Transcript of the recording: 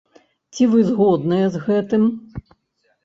Ці вы згодныя з гэтым?